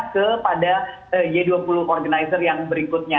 kepada g dua puluh organizer yang berikutnya